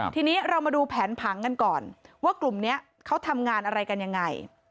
ทีนี้เรามาดูแผนผังกันก่อนว่ากลุ่มนี้เขาทำงานอะไรกันยังไง